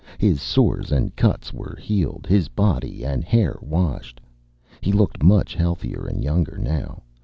His sores and cuts were healed, his body and hair washed. He looked much healthier and younger, now.